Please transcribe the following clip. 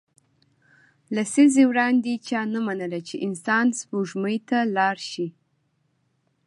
لسیزې وړاندې چا نه منله چې انسان سپوږمۍ ته لاړ شي